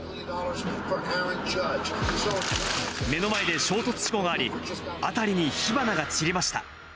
目の前で衝突事故があり、辺りに火花が散りました。